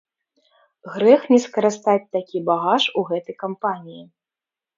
Грэх не скарыстаць такі багаж у гэтай кампаніі.